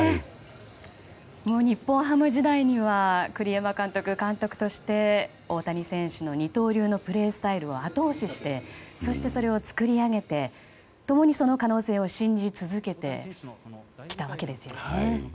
日本ハム時代には栗山監督は監督として大谷選手の二刀流のプレースタイルを後押しして、それを作り上げて本当にその可能性を信じ続けてきたわけですよね。